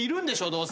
どうせ。